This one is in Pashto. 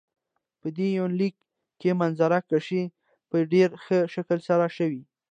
په دې يونليک کې منظره کشي په ډېر ښه شکل سره شوي.